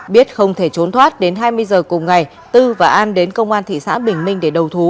biết không thể trốn thoát đến hai mươi giờ cùng ngày tư và an đến công an thị xã bình minh để đầu thú